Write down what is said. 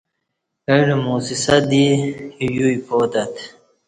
اہ ڈہ موسسہ دی یو ایپاتت